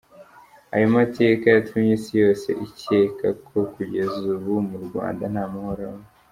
Ayo mateka yatumye Isi yose ikeka ko kugeza ubu mu Rwanda nta mahoro abamo.